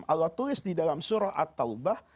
allah tulis di dalam surah at taubah